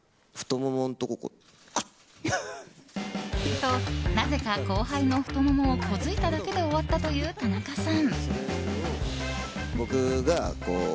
と、なぜか後輩の太ももを小突いただけで終わったという田中さん。